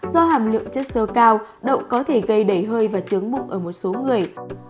do hàm lượng chất sơ cao đậu có thể gây đầy hơi và chướng bụng ở một số người